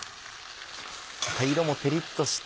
色も照りっとして。